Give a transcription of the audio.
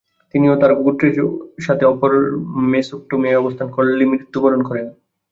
তিনি তার গোত্রের সাথে আপার মেসোপটামিয়ায় অবস্থান কালে মৃত্যুবরণ করেন।